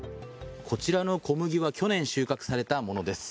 こちらの小麦は去年収穫されたものです。